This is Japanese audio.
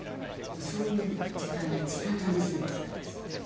「そういう時間が一番楽しいんです私」